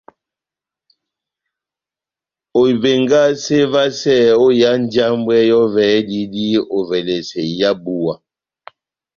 Ohivengase vasɛ ó iha njambwɛ yɔvɛ ediyidi ovɛlɛsɛ iha búwa.